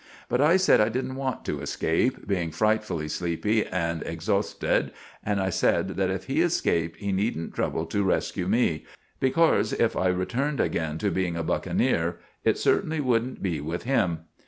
But I sed I didn't want to eskape, being fritefully sleepy and exhorsted, and I sed that if he eskaped he needn't trubble to reskue me, becorse if I returned again to being a buckeneer it certinnly wouldn't be with him.